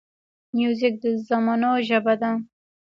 موزیک د زمانو ژبه ده.